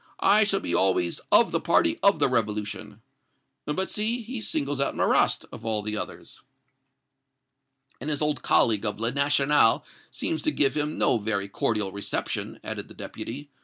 I shall be always of the party of the revolution.' But see, he singles out Marrast, of all others!" "And his old colleague of 'Le National' seems to give him no very cordial reception," added the Deputy.